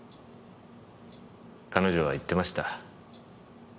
彼女は言ってました。